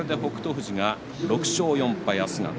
富士が６勝４敗。